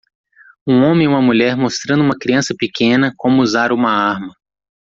Um homem e uma mulher mostrando uma criança pequena como usar uma arma.